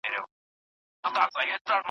ډله ییز کار یوازیتوب له منځه وړي.